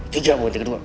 tiga buat tiga dua